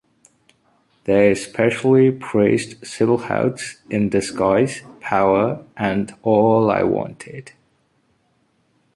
They especially praised "Silhouettes in Disguise," "Power", and "All I Wanted".